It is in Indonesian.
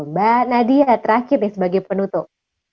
mbak nadia terakhir sebagai penutup